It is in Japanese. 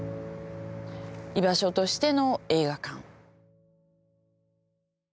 居場所としての映画館。